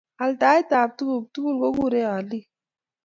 Altaet ab tuguk tugul kokurei alik